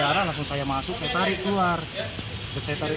harus mati kalau mati